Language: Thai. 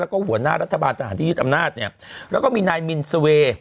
แล้วก็หัวหน้ารัฐบาลทหารที่ยึดอำนาจเนี่ยแล้วก็มีนายมินสเวย์